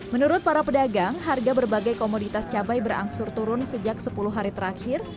menurut para pedagang harga berbagai komoditas cabai berangsur turun sejak sepuluh hari terakhir